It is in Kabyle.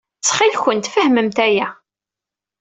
Ttxil-went, fehmemt aya.